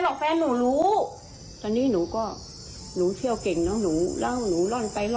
และจากนี้ก็จะออกเลยเดี๋ยวเราให้สำไดรณ์ถึงสู่ได้